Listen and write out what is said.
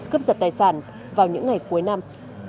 cướp giải tài sản vào những ngày cuối năm